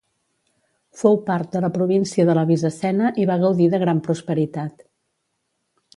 Fou part de la província de la Bizacena i va gaudir de gran prosperitat.